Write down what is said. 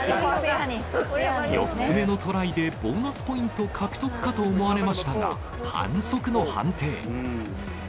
４つ目のトライでボーナスポイント獲得かと思われましたが、反則の判定。